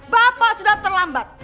bapak sudah terlambat